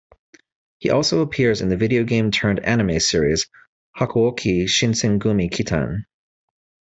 He also appears in the video-game-turned-anime series "Hakuouki Shinsengumi Kitan".